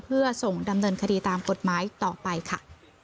เพื่อส่งดำเนินคดีตามกฎหมายต่อไปค่ะ